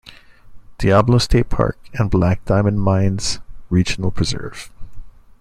Diablo State Park and Black Diamond Mines Regional Preserve.